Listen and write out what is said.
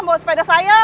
bawa sepeda saya